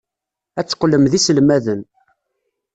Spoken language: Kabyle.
Ad teqqlem d iselmaden.